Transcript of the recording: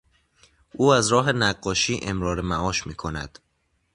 او از راه نقاشی امرار معاش میکند.